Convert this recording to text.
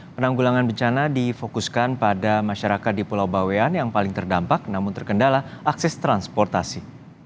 penanggulangan bencana difokuskan pada masyarakat di pulau bawean yang paling terdampak namun terkendala akses transportasi